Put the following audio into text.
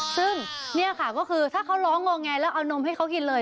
ซึ่งนี่ค่ะก็คือถ้าเขาร้องงอแงแล้วเอานมให้เขากินเลย